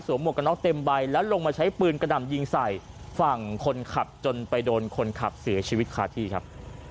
หวกกระน็อกเต็มใบแล้วลงมาใช้ปืนกระดำยิงใส่ฝั่งคนขับจนไปโดนคนขับเสียชีวิตคาที่ครับ